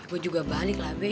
gue juga balik lah